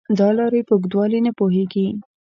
دا لارې په اوږدوالي نه پوهېږي .